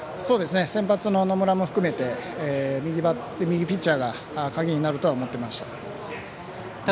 先発の野村も含めて右ピッチャーが鍵になるとは思っていました。